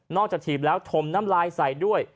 จากถีบแล้วถมน้ำลายใส่ด้วย